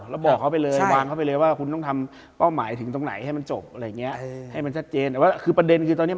แล้วบอกเขาไปเลยวางเขาไปเลยว่าคุณต้องทำเป้าหมายถึงตรงไหนให้มันจบอะไรอย่างเงี้ย